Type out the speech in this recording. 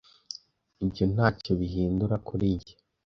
Ibyo ntacyo bihindura kuri njye.